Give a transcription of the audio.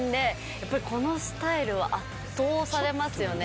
やっぱりこのスタイルは圧倒されますよね。